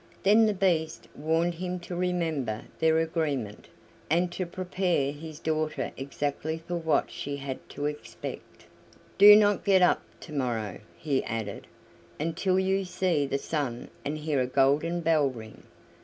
Then the Beast warned him to remember their agreement, and to prepare his daughter exactly for what she had to expect. "Do not get up to morrow," he added, "until you see the sun and hear a golden bell ring.